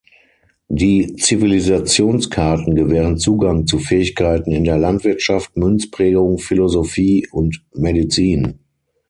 Die Zivilisationskarten gewähren Zugang zu Fähigkeiten in der Landwirtschaft, Münzprägung, Philosophie und Medizin.